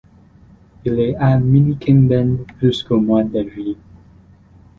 Il est à Milliken Bend jusqu'au mois d'avril.